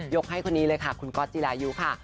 ให้คนนี้เลยค่ะคุณก๊อตจิรายุค่ะ